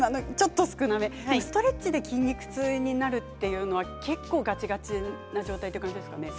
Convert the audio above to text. ストレッチで筋肉痛になるというのは結構ガチガチな状態という感じですかね。